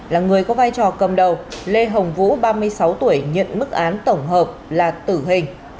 là người có vai trò cầm đầu lê hồng vũ ba mươi sáu tuổi nhận mức án tổng hợp là tử hình